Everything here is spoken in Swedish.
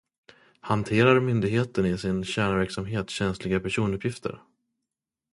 Hanterar myndigheten i sin kärnverksamhet känsliga personuppgifter?